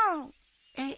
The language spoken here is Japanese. えっ。